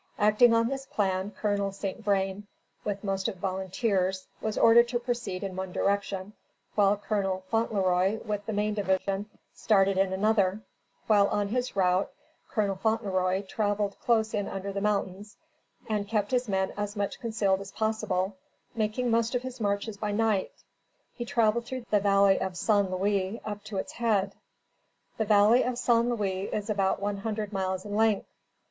Acting on this plan, Colonel St. Vrain, with most of the Volunteers, was ordered to proceed in one direction, while Colonel Fauntleroy, with the main division, started in another; while on his route, Colonel Fauntleroy traveled close in under the mountains, and kept his men as much concealed as possible, making most of his marches by night. He traveled through the Valley of San Luis up to its head. The Valley of San Luis is about one hundred miles in length.